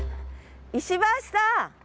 石橋さん！